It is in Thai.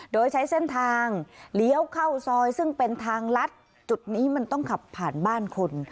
โดยใช้เส้นทางเลี้ยวเข้าซอยซึ่งเป็นทางลัดจุดนี้มันต้องขับผ่านบ้านคน